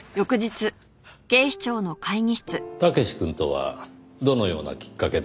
武志くんとはどのようなきっかけで？